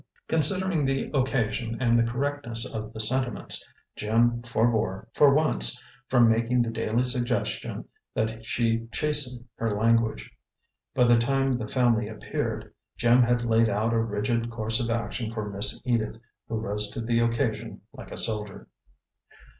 Considering the occasion and the correctness of the sentiments, Jim forbore, for once, from making the daily suggestion that she chasten her language. By the time the family appeared, Jim had laid out a rigid course of action for Miss Edith, who rose to the occasion like a soldier.